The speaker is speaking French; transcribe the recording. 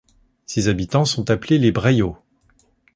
Ses habitants sont appelés les Brayauds.